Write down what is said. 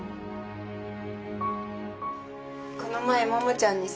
この前桃ちゃんにさ